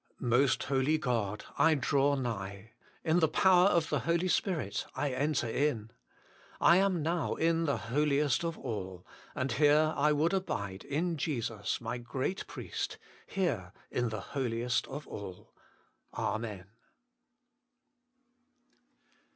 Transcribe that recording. Most Holy God ! I draw nigh. In the power of the Holy Spirit I enter in. I am now in the Holiest of all. And here I would abide in Jesus, my Great Priest here, in the Holiest of all. Amen.